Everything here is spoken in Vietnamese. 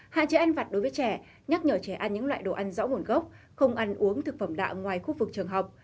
hạn chế ăn vặt đối với trẻ nhắc nhở trẻ ăn những loại đồ ăn rõ nguồn gốc không ăn uống thực phẩm lạ ngoài khu vực trường học